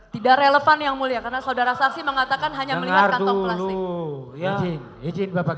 tidak relevan yang mulia karena saudara saksi mengatakan hanya melihat kantong plastik